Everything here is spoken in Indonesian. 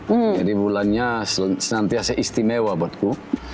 jadi bulannya senantiasa istimewa buatku